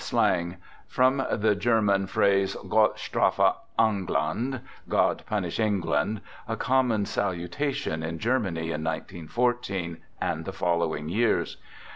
slang. [From the Ger. phrase Gott strafe England, 4 God Punish England,' a common salu tation in Germany in 1914 and the following years.